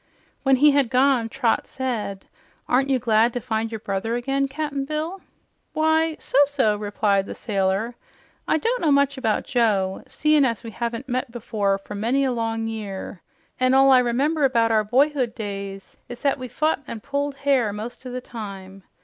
When he had gone, Trot said, "Aren't you glad to find your brother again, Cap'n Bill?" "Why, so so," replied the sailor. "I don't know much about Joe, seein' as we haven't met before for many a long year, an' all I remember about our boyhood days is that we fit an' pulled hair most o' the time.